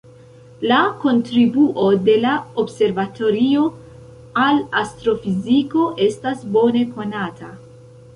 La kontribuo de la observatorio al astrofiziko estas bone konata.